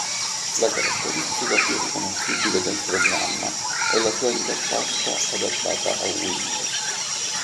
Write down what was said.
La caratteristica più riconoscibile del programma è la sua interfaccia adattata a Windows.